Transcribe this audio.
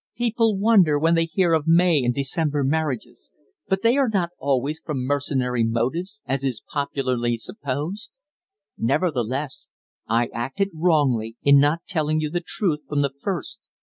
People wonder when they hear of May and December marriages; but they are not always from mercenary motives, as is popularly supposed. Nevertheless I acted wrongly in not telling you the truth from the first.